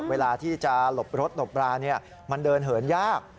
เวลาที่จะหลบรถหลบรามันเดินเหินยาก